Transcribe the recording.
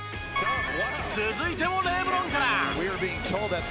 続いてもレブロンから。